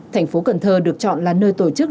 thành phố cần thơ được chọn là nơi tổ chức